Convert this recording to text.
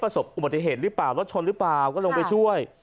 ประสบบทดเกตหรือเปล่ารถฉลหรือเปล่าก็ลงไปช่วย